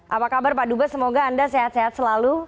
apa kabar pak dubes semoga anda sehat sehat selalu